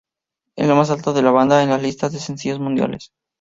Es el más alto de la banda en las listas de sencillos mundiales.